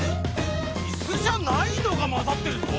イスじゃないのがまざってるぞ！